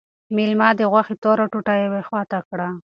مېلمه د غوښې توره ټوټه یوې خواته کړه.